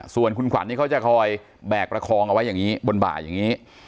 ส่วนคุณขวัญเขาจะคอยแบกประคองเอาไว้บนบ่ายจริง